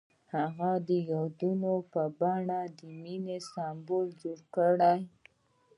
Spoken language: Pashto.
هغه د یادونه په بڼه د مینې سمبول جوړ کړ.